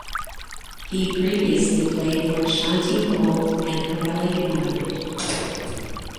He previously played for Ashanti Gold and Karela United.